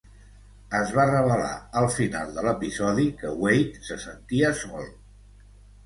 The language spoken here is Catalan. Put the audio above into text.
Es va revelar al final de l"episodi que Wade se sentia sol.